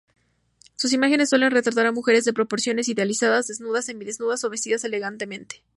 Sus imágenes suelen retratar a mujeres de proporciones idealizadas, desnudas, semidesnudas o vestidas elegantemente.